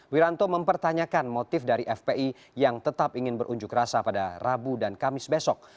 wiranto mempertanyakan motif dari fpi yang tetap ingin berunjuk rasa pada rabu dan kamis besok